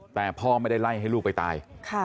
แต่พ่อไม่ได้ไล่ให้ลูกไปตาย